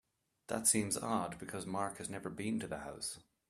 That seems odd because Mark has never been to the house.